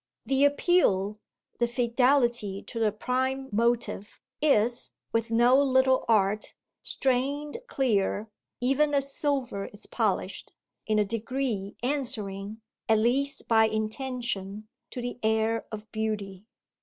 The appeal, the fidelity to the prime motive, is, with no little art, strained clear (even as silver is polished) in a degree answering at least by intention to the air of beauty.